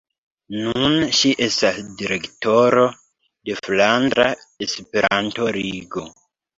Nun ŝi estas direktoro de Flandra Esperanto-Ligo.